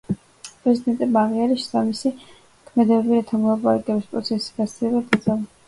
პრეზიდენტებმა აღიარეს შესაბამისი ქმედებები, რათა მოლაპარაკებების პროცესის გაძლიერება და დაძაბულობის შემცირება მოხდეს კონფლიქტის ზონაში.